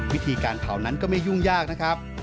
วิธีการเผานั้นก็ไม่ยุ่งยากนะครับ